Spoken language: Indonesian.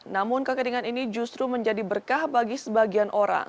namun kekeringan ini justru menjadi berkah bagi sebagian orang